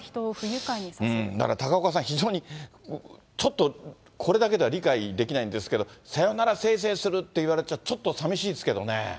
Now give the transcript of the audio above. だから、高岡さん、非常にちょっと、これだけでは理解できないんですけど、さよなら、せいせいするって言われちゃちょっと寂しいですけどね。